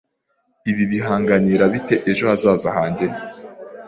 Ibi bihanganira bite ejo hazaza hanjye?